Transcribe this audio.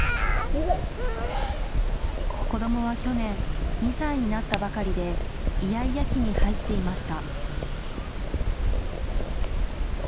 子どもは去年、２歳になったばかりで、イヤイヤ期に入っていました。